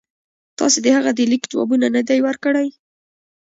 تاسي د هغه د لیک جواب نه دی ورکړی.